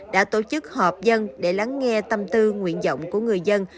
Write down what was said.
đã tổ chức hợp dân để lắng nghe tâm tư nguyện giọng của người dân